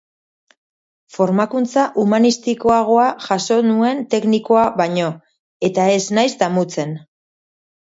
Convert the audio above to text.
Formakuntza humanistikoagoa jaso nuen teknikoa baino, eta ez naiz damutzen.